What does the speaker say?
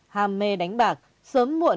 hàm mê đánh bạc sớm muộn cuối cùng